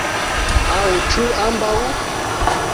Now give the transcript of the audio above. Aŭ ĉu ambaŭ?